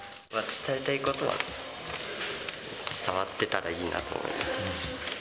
伝えたいことは伝わってたらいいなと思います。